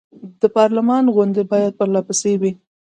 د پارلمان غونډې باید پر له پسې وي.